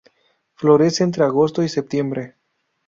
Florece entre agosto y septiembre.